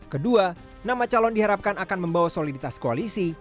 kedua nama calon diharapkan akan membawa soliditas koalisi